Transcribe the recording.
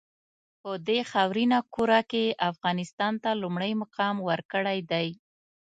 په دې خاورینه کُره کې یې افغانستان ته لومړی مقام ورکړی دی.